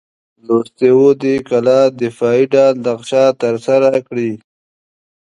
لوستي وو دې کلا دفاعي ډال نقش ترسره کړی.